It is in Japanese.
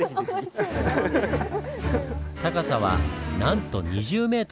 高さはなんと２０ｍ！